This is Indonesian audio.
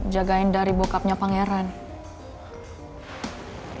jagain dari bokapnya pangeran